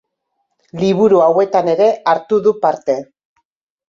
Liburu hauetan ere hartu du parte.